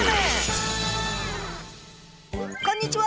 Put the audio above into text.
こんにちは！